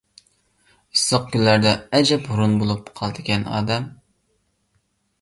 ئىسسىق كۈنلەردە ئەجەب ھۇرۇن بولۇپ قالىدىكەن ئادەم.